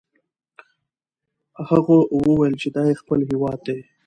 هغه وویل چې دا یې خپل هیواد دی.